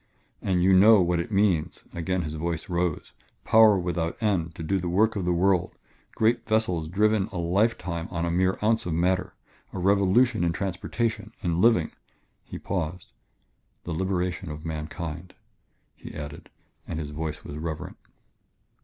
"And you know what it means" again his voice rose "power without end to do the work of the world great vessels driven a lifetime on a mere ounce of matter a revolution in transportation in living...." He paused. "The liberation of mankind," he added, and his voice was reverent.